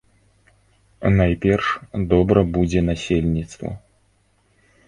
Найперш, добра будзе насельніцтву.